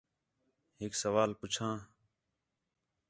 ہِک سوال پُچھاں